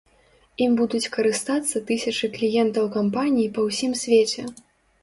Ім будуць карыстацца тысячы кліентаў кампаніі па ўсім свеце.